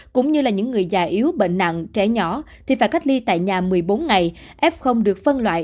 cũng như là những người già yếu bệnh nặng trẻ nhỏ thì phải cách ly tại nhà một mươi bốn ngày f được phân loại